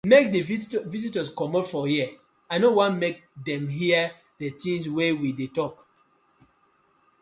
Mak di visitors comot from here I no wan mek dem hear di tinz wey we dey tok.